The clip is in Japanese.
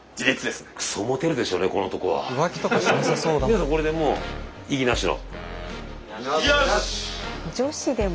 皆さんこれでもう異議なしの。